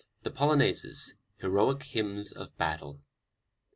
THE POLONAISES: HEROIC HYMNS OF BATTLE.